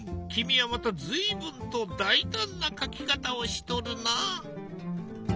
君はまた随分と大胆な描き方をしとるな。